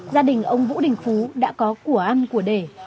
gia đình ông vũ đình phú đã có của ăn của để